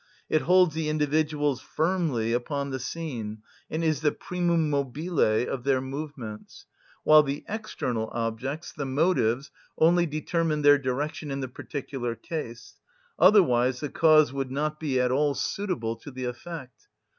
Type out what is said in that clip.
It holds the individuals firmly upon the scene, and is the primum mobile of their movements; while the external objects, the motives, only determine their direction in the particular case; otherwise the cause would not be at all suitable to the effect.